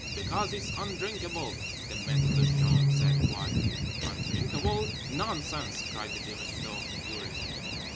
—'Because it's undrinkable,' the maitre de chambre said quietly.—'Undrinkable? Nonsense!' cried the Directeur furiously.